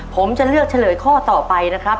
ผมจะเลือกเฉลยข้อต่อไปนะครับ